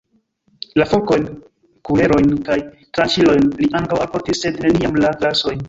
La forkojn, kulerojn kaj tranĉilojn li ankaŭ alportis, sed neniam la glasojn.